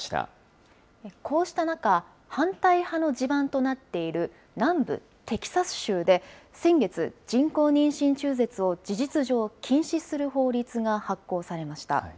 こうした中、反対派の地盤となっている南部テキサス州で、先月、人工妊娠中絶を事実上、禁止する法律が発効されました。